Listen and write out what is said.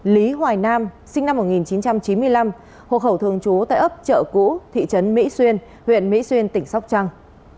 lý hoài nam sinh năm một nghìn chín trăm chín mươi năm hộ khẩu thường trú tại ấp chợ cũ thị trấn mỹ xuyên huyện mỹ xuyên tỉnh sóc trăng